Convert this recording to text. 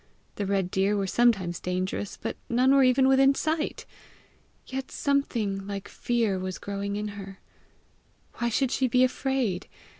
The red deer were sometimes dangerous, but none were even within sight! Yet something like fear was growing in her! Why should she be afraid?